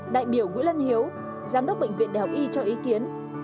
đại biểu nguyễn lân hiếu giám đốc bệnh viện đại học y cho ý kiến